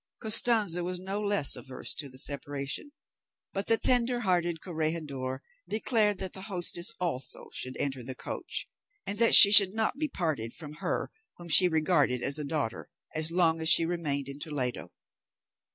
Costanza was no less averse to the separation; but the tenderhearted corregidor declared that the hostess also should enter the coach, and that she should not be parted from her whom she regarded as a daughter, as long as she remained in Toledo.